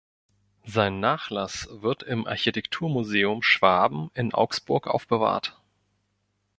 Sein Nachlass wird im Architekturmuseum Schwaben in Augsburg aufbewahrt.